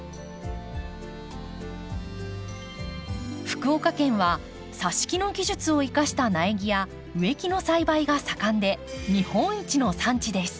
福岡県はさし木の技術を生かした苗木や植木の栽培が盛んで日本一の産地です。